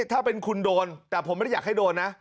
ถ้าเป็นคุณโดนแต่ผมไม่ได้อยากให้โดนนะ